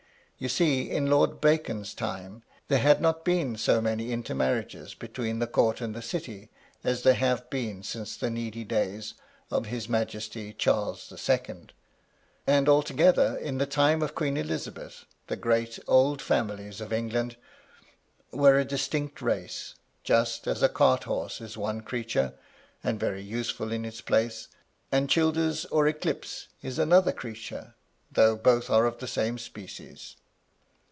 You see, in Lord Bacon's time, there had not been so many intermarriages between the court and the city as there have been since the needy days of his Majesty Charles the Second; and altogether in the time of Queen Elizabeth, the great, old families of England were a distinct race, just as a cart horse is one creature, and very useful in its place, and Childers or Eclipse is another creature, though both are of the same species.